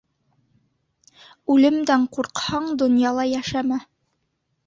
Үлемдән ҡурҡһаң, донъяла йәшәмә.